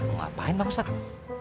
ngapain pak ustadz